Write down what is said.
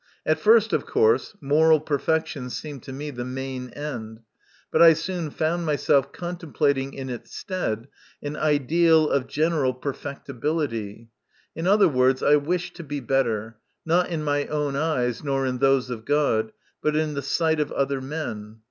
At first, of course, moral perfection seemed to me the main end, but I soon found myself contemplating in its stead an ideal of general perfectibility ; in other words, I wished to be better, not in my own eyes nor in those of God, but in the sight of other men.